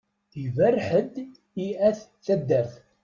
Iberreḥ-d i At taddart.